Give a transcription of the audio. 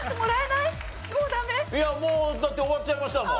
いやもうだって終わっちゃいましたもん。